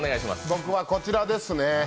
僕はこちらですね。